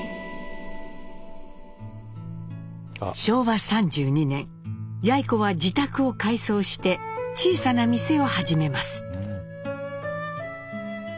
昭和３２年やい子は自宅を改装して小さな店を始めます。